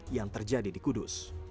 yang terjadi di kudus